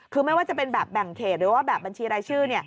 คือไม่ว่าจะเป็นแบบแบ่งเขตหรือว่าแบบบัญชีรายชื่อ